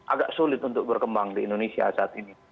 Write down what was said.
agak sulit untuk berkembang di indonesia saat ini